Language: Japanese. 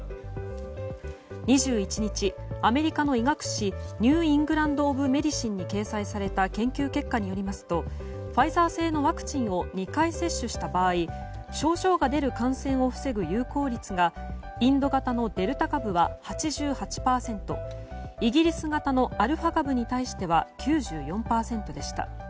２１日、アメリカの医学誌「ニュー・イングランド・オブ・メディシン」に掲載された研究結果によりますとファイザー製のワクチンを２回接種した場合症状が出る感染を防ぐ有効率がインド型のデルタ株は８８％イギリス型のアルファ株に対しては９４％でした。